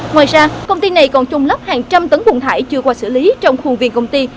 ngoài ra công ty này còn chung lắp hàng trăm tấn bụng thải chưa qua xử lý trong khuôn viện công ty